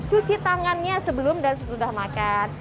cuci tangannya sebelum dan sesudah makan